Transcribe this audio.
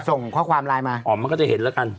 ส่งข้อความไลน์มาอ๋อมันก็จะเห็นแล้วกัน